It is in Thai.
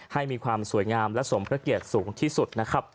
ให้มีความสวยงามและสมพระเกลียดสูงที่สุด